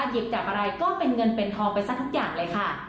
หยิบจากอะไรก็เป็นเงินเป็นทองไปซะทุกอย่างเลยค่ะ